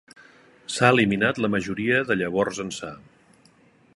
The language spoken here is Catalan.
S'ha eliminat la majoria de llavors ençà.